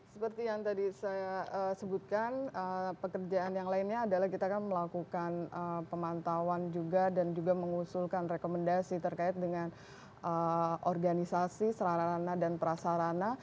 seperti yang tadi saya sebutkan pekerjaan yang lainnya adalah kita kan melakukan pemantauan juga dan juga mengusulkan rekomendasi terkait dengan organisasi serana dan prasarana